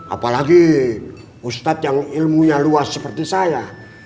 apalagi ustadz yang ilmunya luas seperti saya